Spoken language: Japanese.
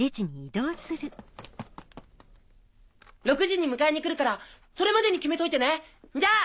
６時に迎えに来るからそれまでに決めといてねじゃあ！